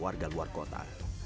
warga luar kota